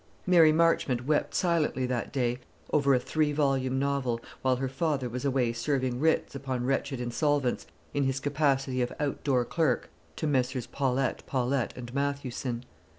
Mary Marchmont wept silently that day over a three volume novel, while her father was away serving writs upon wretched insolvents, in his capacity of out door clerk to Messrs. Paulette, Paulette, and Mathewson.